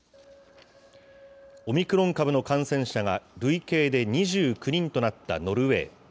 オミクロン株の感染者が累計で２９人となったノルウェー。